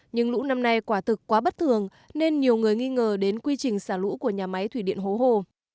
nhưng lũ năm nay quả thực quá bất thường nên nhiều người nghi ngờ đến quy trình xả lũ của nhà máy thủy điện hố hồ